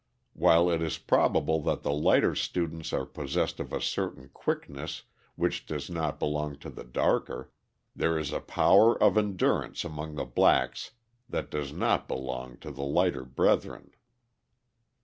While it is probable that the lighter students are possessed of a certain quickness which does not belong to the darker, there is a power of endurance among the blacks that does not belong to their lighter brethren.